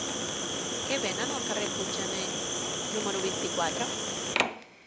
Què venen al carrer de Puiggener número vint-i-quatre?